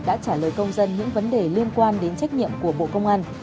đã trả lời công dân những vấn đề liên quan đến trách nhiệm của bộ công an